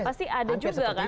pasti ada juga kan